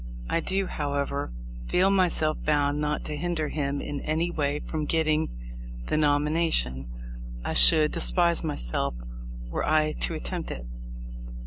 I do, however, feel myself bound not to hinder him in any way from getting the nomination. I should despise myself were I to attempt it."